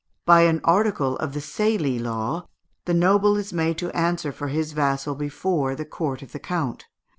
By an article of the Salie law, the noble is made to answer for his vassal before the court of the count.